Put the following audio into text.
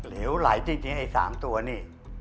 เหลวไหลจริงไอ้๓ตัวนี่